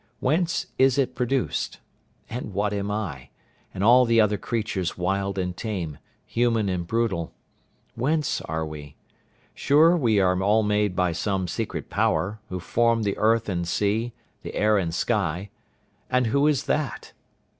Whence is it produced? And what am I, and all the other creatures wild and tame, human and brutal? Whence are we? Sure we are all made by some secret Power, who formed the earth and sea, the air and sky. And who is that?